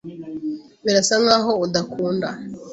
Birasa nkaho udakunda .